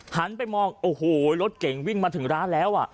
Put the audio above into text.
หันไปมองโอ้โหรถเก่งวิ่งมาถึงร้านแล้ว